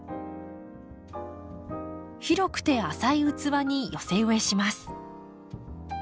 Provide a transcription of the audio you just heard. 広くて浅い器に寄せ植えします。